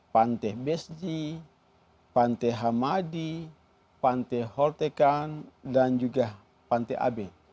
pante besji pante hamadi pante hortekan dan juga pante abe